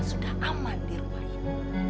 saya sudah aman di rumah ini